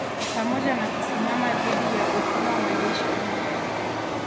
Pamoja na kusimama dhidi ya utumwa waliishi pamoja